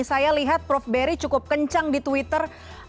saya lihat prof berry cukup kencang di twitter